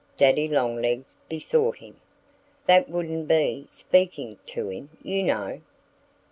Daddy Longlegs besought him. "That wouldn't be speaking to him, you know.